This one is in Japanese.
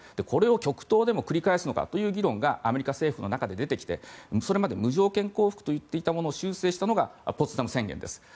これを極東でも繰り返すのかという議論がアメリカ政府の中でも出てきてそれまで無条件降伏といっていたものを修正したのがポツダム宣言です。